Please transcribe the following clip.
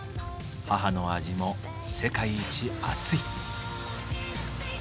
母の味も世界一あつい。